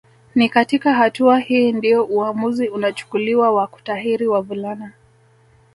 Ni katika hatua hii ndio uamuzi unachukuliwa wa kutahiri wavulana